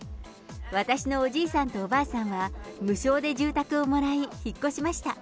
私のおじいさんとおばあさんは、無償で住宅をもらい、引っ越しました。